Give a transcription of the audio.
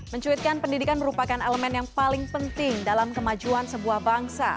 mencuitkan pendidikan merupakan elemen yang paling penting dalam kemajuan sebuah bangsa